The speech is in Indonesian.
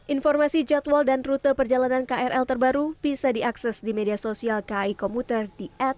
informasi jadwal dan rute perjalanan krl terbaru bisa diakses di media sosial kai komuter di at komuter live